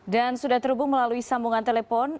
dan sudah terhubung melalui sambungan telepon